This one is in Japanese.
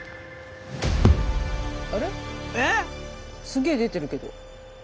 すげえ出てるけど。